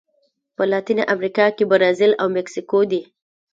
په لاتینه امریکا کې برازیل او مکسیکو دي.